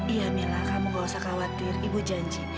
iya mila kamu gak usah khawatir ibu janji